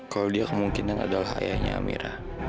kalau dia kemungkinan adalah ayahnya amira